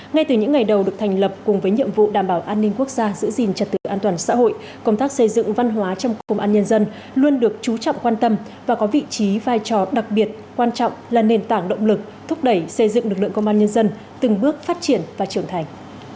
ngay từ những ngày đầu được thành lập cùng với nhiệm vụ đảm bảo an ninh quốc gia giữ gìn trật tự an toàn xã hội công tác xây dựng văn hóa trong công an nhân dân luôn được chú trọng quan tâm và có vị trí vai trò đặc biệt quan trọng là nền tảng động lực thúc đẩy xây dựng lực lượng công an nhân dân từng bước phát triển và trưởng thành